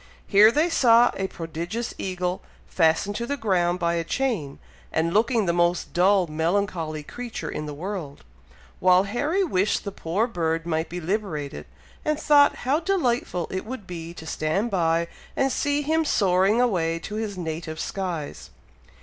Here they saw a prodigious eagle, fastened to the ground by a chain, and looking the most dull, melancholy creature in the world; while Harry wished the poor bird might be liberated, and thought how delightful it would be to stand by and see him soaring away to his native skies.